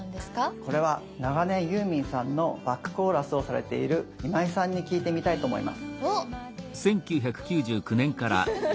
これは長年ユーミンさんのバックコーラスをされている今井さんに聞いてみたいと思います。